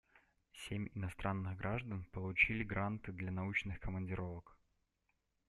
Семь иностранных граждан получили гранты для научных командировок.